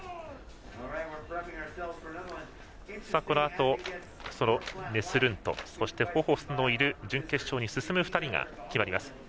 このあと、ネスルントそしてホフォスのいる準決勝に進む２人が決まります。